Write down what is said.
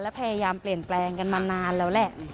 และพยายามเปลี่ยนแปลงกันมานานแล้วแหละ